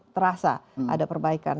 terasa ada perbaikan